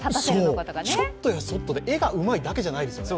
ちょっとやそっとで絵がうまいだけじゃないですよね。